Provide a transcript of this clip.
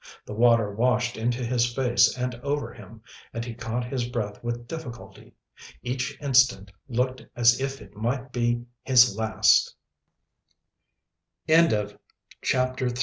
The water washed into his face and over him, and he caught his breath with difficulty. Each instant looked as if it might be his last. CHAPTER IV. IN THE HANDS OF THE ENEMY.